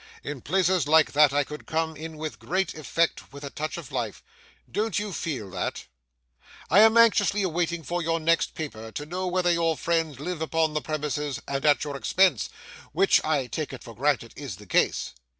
In places like that I could come in with great effect with a touch of life—don't you feel that? [Picture: A Charming Fellow] 'I am anxiously waiting for your next paper to know whether your friends live upon the premises, and at your expense, which I take it for granted is the case.